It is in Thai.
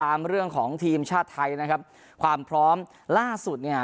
เรื่องของทีมชาติไทยนะครับความพร้อมล่าสุดเนี่ย